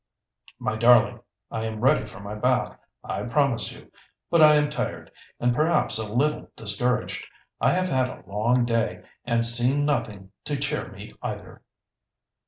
"My darling! I am ready for my bath, I promise you; but I am tired, and perhaps a little discouraged. I have had a long day, and seen nothing to cheer me either."